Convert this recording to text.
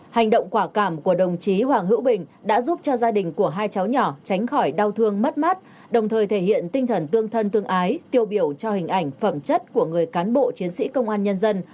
hành động quả cảm của đồng chí hoàng hữu bình đã giúp cho gia đình của hai cháu nhỏ tránh khỏi đau thương mất mát đồng thời thể hiện tinh thần tương thân tương ái tiêu biểu cho hình ảnh phẩm chất của người cán bộ chiến sĩ công an nhân dân